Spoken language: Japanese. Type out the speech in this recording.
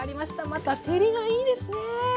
また照りがいいですね。